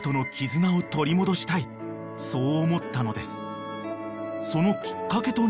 ［そう思ったのです］